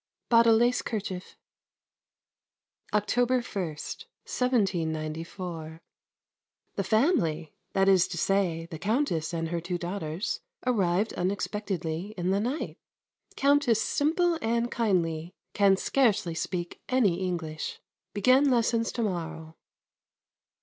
Bought a lace kerchief. October 1, 1794. The family, that is to say, the Countess and her two daughters, arrived unexpectedly in the night. Countess simple and kindly, can scarcely speak any English. Begin lessons to morrow.